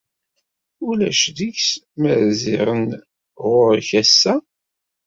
Ulac deg-s ma rziɣ-n ɣuṛ-k ass-a?